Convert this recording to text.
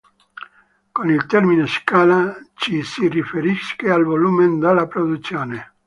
Con il termine scala ci si riferisce al volume della produzione.